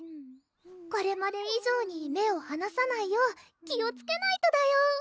これまで以上に目をはなさないよう気をつけないとだよ